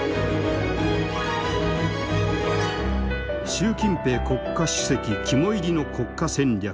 習近平国家主席肝煎りの国家戦略